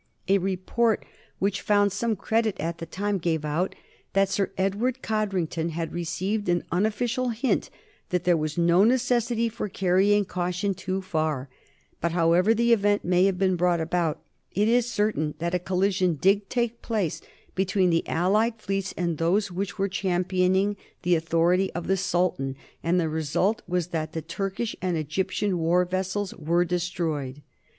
A report, which found some credit at the time, gave out that Sir Edward Codrington had received an unofficial hint that there was no necessity for carrying caution too far; but, however the event may have been brought about, it is certain that a collision did take place between the allied fleets and those which were championing the authority of the Sultan, and the result was that the Turkish and Egyptian war vessels were destroyed.